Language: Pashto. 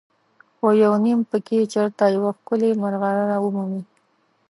خو یو نیم پکې چېرته یوه ښکلې مرغلره ومومي.